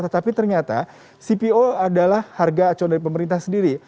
tetapi ternyata cpo adalah harga acuan dari pemerintah sendiri